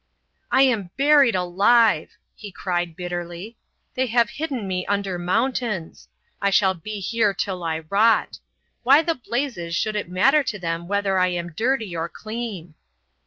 "I am buried alive!" he cried, bitterly; "they have hidden me under mountains. I shall be here till I rot. Why the blazes should it matter to them whether I am dirty or clean."